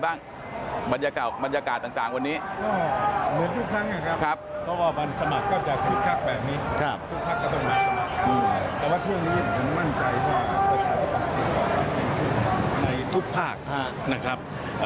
ว่าประชาติมหาละครสิ่งต่อไปในทุกภาคนะครับ